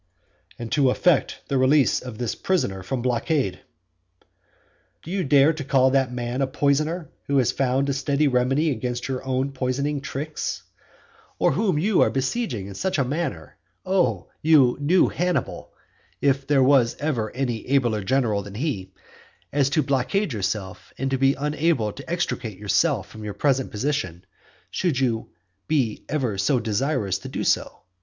"And to effect the release of this poisoner from blockade." Do you dare to call that man a poisoner who has found a remedy against your own poisoning tricks? and whom you are besieging in such a manner, O you new Hannibal, (or if there was ever any abler general than he,) as to blockade yourself, and to be unable to extricate yourself from your present position, should you be ever so desirous to do so?